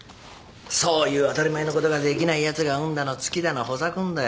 そういう当たり前のことができないやつが運だのつきだのほざくんだよ。